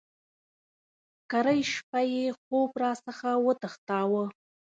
کرۍ شپه یې خوب را څخه وتښتاوه.